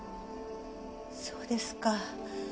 そうですか。